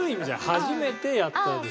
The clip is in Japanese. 初めてやったでしょ？